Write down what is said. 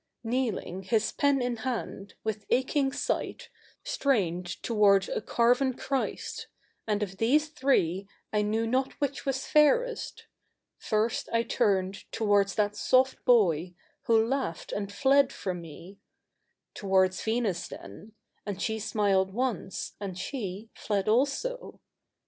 Kneeling, his pen in hand, with aching sight Strained tou^ards a ca}~ien Christ ; and of these three I knezv not which loas fairest. First I turned Towards that soft boy, who laughed and fled fro })i me ; Towards Venus then ; and she stniled once, and she Fled also.